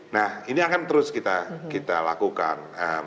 nah ini akan terus kita lakukan